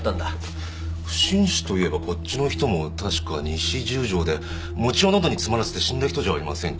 不審死といえばこっちの人も確か西十条で餅をのどに詰まらせて死んだ人じゃありませんか？